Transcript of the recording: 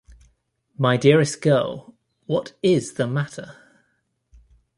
My dearest girl, what is the matter?